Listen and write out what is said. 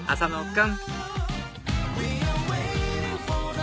君！